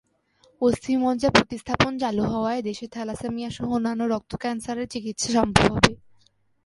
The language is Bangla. অস্থিমজ্জা প্রতিস্থাপন চালু হওয়ায় দেশে থ্যালাসেমিয়াসহ অন্যান্য রক্ত-ক্যানসারের চিকিৎসা সম্ভব হবে।